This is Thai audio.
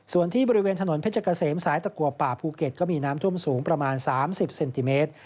ส่วนที่บริเวณถนนเพชรเกษมสายตะกัวป่าภูเก็ตก็มีน้ำท่วมสูงประมาณ๓๐เซนติเมตร